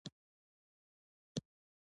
غږ د ارمان چیغه ده